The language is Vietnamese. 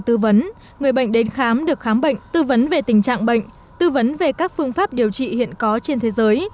trong bệnh nhân vẩy nến người bệnh đến khám được khám bệnh tư vấn về tình trạng bệnh tư vấn về các phương pháp điều trị hiện có trên thế giới